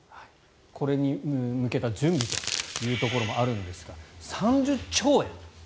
これに向けた準備というところもあるんですが３０兆円。